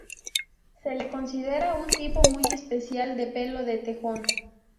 Se le considera un tipo muy especial de pelo de tejón.